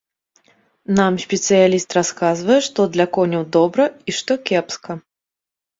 Нам спецыяліст расказвае, што для коняў добра і што кепска.